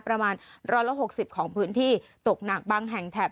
ประมาณร้อนละหกสิบของพื้นที่ตกหนักบางแห่งแถบ